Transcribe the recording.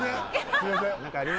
すいません